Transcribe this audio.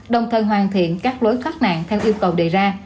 đồng thời hoàn thiện các lối thoát nạn theo yêu cầu đề ra